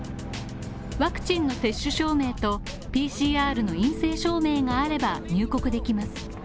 ワクチンの接種証明と、ＰＣＲの陰性証明があれば入国できます。